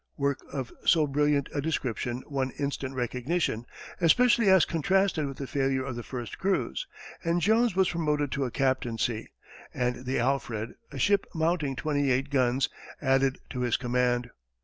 Work of so brilliant a description won instant recognition, especially as contrasted with the failure of the first cruise, and Jones was promoted to a captaincy, and the Alfred, a ship mounting twenty eight guns, added to his command.